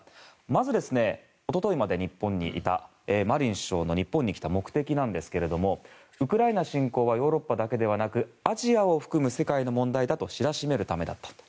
まず、一昨日まで日本にいたマリン首相の日本に来た目的ですがウクライナ侵攻はヨーロッパだけではなくアジアを含む世界の問題だと知らしめるためだと。